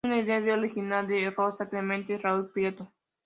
Es una idea original de Rosa Clemente, y Raúl Prieto.